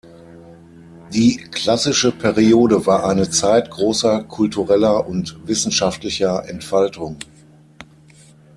Die klassische Periode war eine Zeit großer kultureller und wissenschaftlicher Entfaltung.